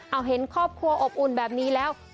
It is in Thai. เอาเห็นครอบครัวอบอุ่นแบบนี้แล้ว